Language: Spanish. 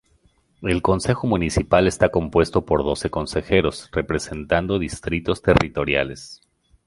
El consejo municipal está compuesto por doce consejeros representando distritos territoriales.